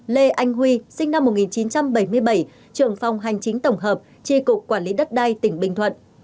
năm lê anh huy sinh năm một nghìn chín trăm bảy mươi bảy trưởng phòng hành chính tổng hợp tri cục quản lý đất đai tỉnh bình thuận